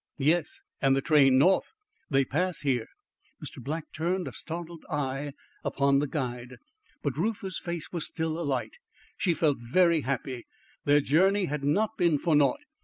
"Yes, and the train north. They pass here." Mr. Black turned a startled eye upon the guide. But Reuther's face was still alight. She felt very happy. Their journey had not been for naught.